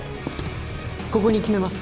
ここに決めます